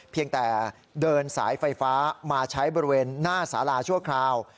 เพียงแต่เดินสายไฟฟ้ามาใช้บริเวณหน้าสาราชั่วคราว